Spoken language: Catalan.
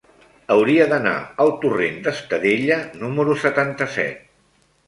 Hauria d'anar al torrent d'Estadella número setanta-set.